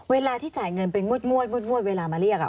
เวลาที่จ่ายเงินเป็นงวดเวลามาเรียก